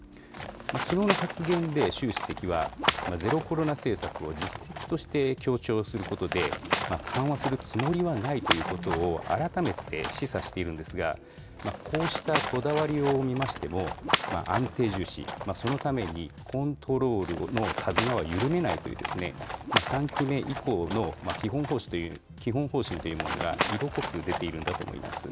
きのうの発言で習主席は、ゼロコロナ政策を実績として強調することで、緩和するつもりはないということを改めて示唆しているんですが、こうしたこだわりを見ましても、安定重視、そのために、コントロールの手綱は緩めないという、３期目以降の基本方針というものが色濃く出ているんだと思います。